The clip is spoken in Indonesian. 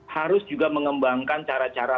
harus juga mengembangkan cara cara